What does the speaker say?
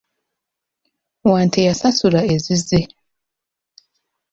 Wante yasasula ezize.